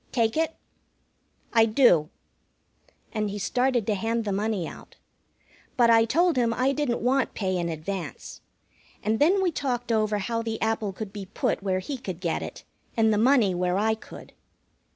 Take it?" "I do." And he started to hand the money out. But I told him I didn't want pay in advance. And then we talked over how the apple could be put where he could get it, and the money where I could.